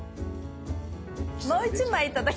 もう１枚頂きます。